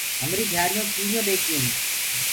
همري گھيآريونٚ چوڙيونٚ ٻيڪديونٚ هينٚ